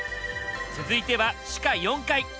続いては地下４階。